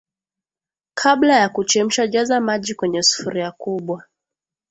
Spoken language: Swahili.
Kabla ya kuchemsha jaza maji kwenye sufuria kubwa